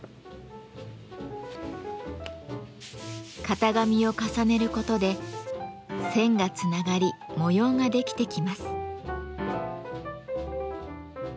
型紙を重ねることで線がつながり模様ができてきます。